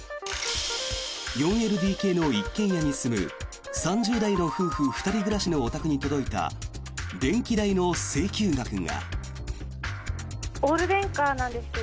４ＬＤＫの一軒家に住む３０代の夫婦２人暮らしのお宅に届いた電気代の請求額が。